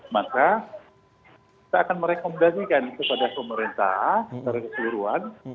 maka kita akan merekomendasikan kepada pemerintah secara keseluruhan